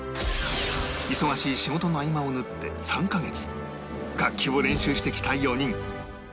忙しい仕事の合間を縫って３カ月楽器を練習してきた４人